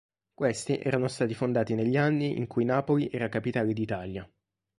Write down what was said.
Questi erano stati fondati negli anni in cui Napoli era Capitale d'Italia.